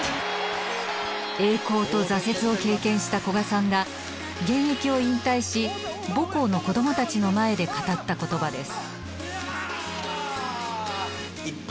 栄光と挫折を経験した古賀さんが現役を引退し母校の子どもたちの前で語った言葉です。